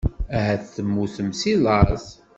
Ahat temmutem seg laẓ.